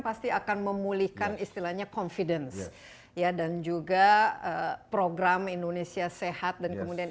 pasti akan memulihkan istilahnya confidence ya dan juga program indonesia sehat dan kemudian